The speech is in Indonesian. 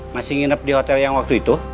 masih nginep di hotel yang waktu itu